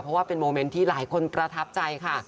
เพราะว่าเป็นโมเมนต์ที่หลายคนประทับใจค่ะ